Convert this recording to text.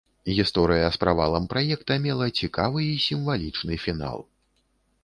Гісторыя з правалам праекта мела цікавы і сімвалічны фінал.